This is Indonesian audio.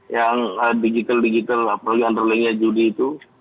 yang digital digital apalagi antara lainnya judi itu